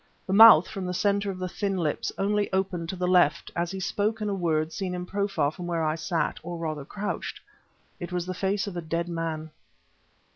The mouth, from the center of the thin lips, opened only to the left, as he spoke; in a word, seen in profile from where I sat, or rather crouched, it was the face of a dead man.